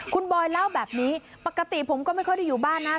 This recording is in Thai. คุณบอยเล่าแบบนี้ปกติผมก็ไม่ค่อยได้อยู่บ้านนะ